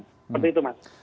seperti itu mas